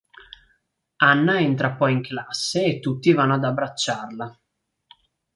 Anna entra poi in classe e tutti vanno ad abbracciarla.